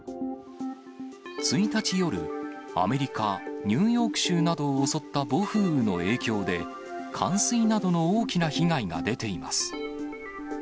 １日夜、アメリカ・ニューヨーク州などを襲った暴風雨の影響で、冠水などの大きな被害が出ています。